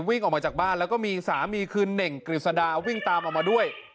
วิ่งออกมาจากบ้านแล้วก็มีสามีคือเน่งกฤษดาวิ่งตามออกมาด้วย